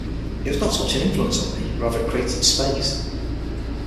It was not so much an influence on me, rather it created space.